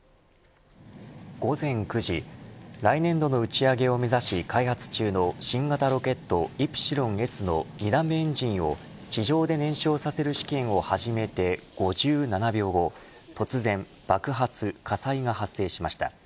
午前９時来年度の打ち上げを目指し開発中の新型ロケット、イプシロンＳの２段目エンジンを地上で燃焼させる試験を始めて５７秒後突然、爆発火災が発生しました。